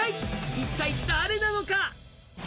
一体誰なのか？